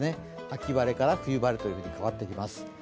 秋晴れから冬晴れに変わってきます。